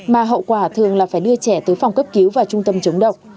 mà hậu quả thường là phải đưa trẻ tới phòng cấp cứu và trung tâm chống độc